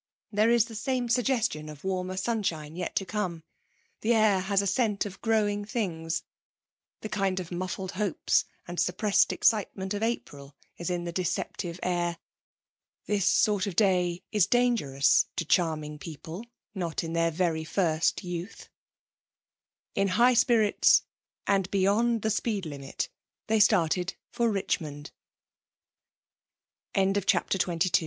There is the same suggestion of warmer sunshine yet to come; the air has a scent as of growing things, the kind of muffled hopes and suppressed excitement of April is in the deceptive air. This sort of day is dangerous to charming people not in their very first youth. In high spirits and beyond the speed limit they started for Richmond. CHAPT